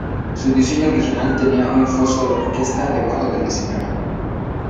Su diseño original tenía un foso de orquesta debajo del escenario.